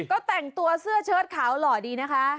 ก็แต่งตัวเสื้อเชิดขาวหล่อดีนะคะ